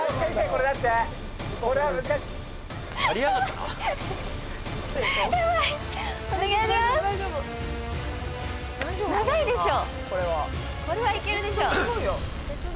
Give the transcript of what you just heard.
これはいけるでしょ。